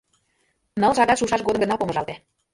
Ныл шагат шушаш годым гына помыжалте.